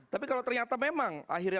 tapi kalau ternyata memang akhirnya